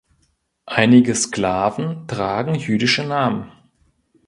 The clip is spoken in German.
Einige Sklaven tragen jüdische Namen.